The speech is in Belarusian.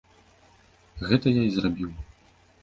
Гэта я і зрабіў.